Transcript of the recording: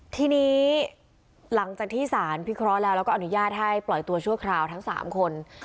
ทีนี้หลังจากที่สารพิเคราะห์แล้วแล้วก็อนุญาตให้ปล่อยตัวชั่วคราวทั้ง๓คน